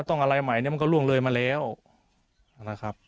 อะไรใหม่เนี่ยมันก็ล่วงเลยมาแล้วนะครับ